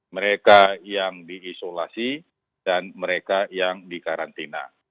mereka yang diisolasi dan mereka yang dikarantina